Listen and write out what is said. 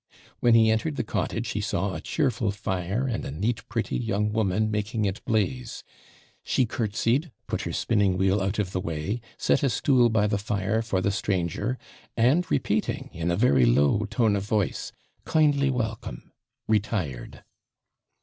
When he entered the cottage, he saw a cheerful fire and a neat pretty young woman making it blaze: she curtsied, put her spinning wheel out of the way, set a stool by the fire for the stranger, and repeating, in a very low tone of voice, 'Kindly welcome,' retired.